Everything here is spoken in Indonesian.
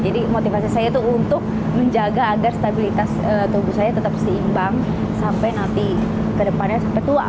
jadi motivasi saya itu untuk menjaga agar stabilitas tubuh saya tetap seimbang sampai nanti ke depannya sampai tua